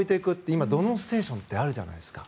今、土嚢ステーションってあるじゃないですか。